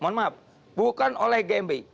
mohon maaf bukan oleh gmbi